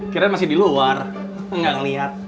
kita masih di luar nggak ngeliat